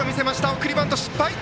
送りバント失敗。